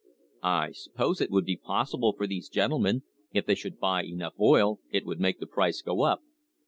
I suppose it would be possible for these gentlemen; if they should buy enough oil, it would make the price go up.